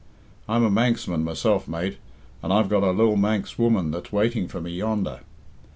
I'm a Manxman myself, mate, and I've got a lil Manx woman that's waiting for me yonder.